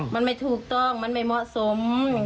มันไม่ถูกต้องมันไม่เหมาะสม